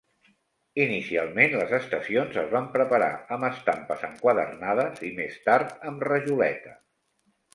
Inicialment les estacions es van preparar amb estampes enquadernades i més tard amb rajoleta.